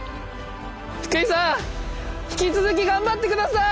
福井さん引き続き頑張って下さい！